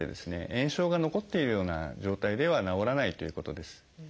炎症が残っているような状態では治らないということです。